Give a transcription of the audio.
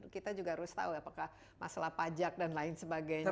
kita juga harus tahu apakah masalah pajak dan lain sebagainya